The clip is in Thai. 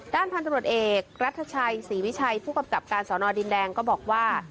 ด้านพันธุรกิจเอกรัฐชัยศรีวิชัยผู้กำกับการสอนอดินแดงก็บอกว่า